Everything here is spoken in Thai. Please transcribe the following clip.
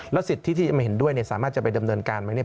สิทธิที่จะไม่เห็นด้วยเนี่ยสามารถจะไปดำเนินการไหมเนี่ย